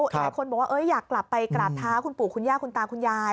หลายคนบอกว่าอยากกลับไปกราบเท้าคุณปู่คุณย่าคุณตาคุณยาย